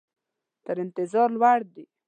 تر انتظار لوړ دي.